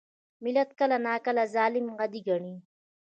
ملت کله ناکله ظالم عادي ګڼي.